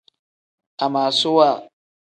Amaasuwa.